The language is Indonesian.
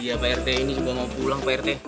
iya pak rt ini juga mau pulang ke rt